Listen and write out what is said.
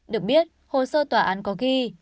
được biết hồ sơ tòa án có ghi